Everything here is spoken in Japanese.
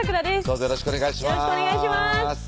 よろしくお願いします